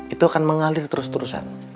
itu akan mengalir terus terusan